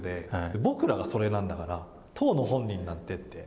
僕らがそれなんだから当の本人なんてと。